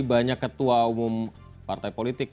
banyak ketua umum partai politik